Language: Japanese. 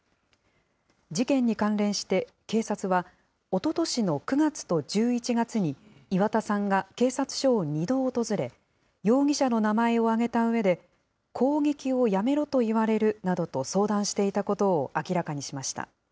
事件に関連して警察は、おととしの９月と１１月に、岩田さんが警察署を２度訪れ、容疑者の名前を挙げたうえで、攻撃をやめろと言われるなどと相談していたことを明らかにしました。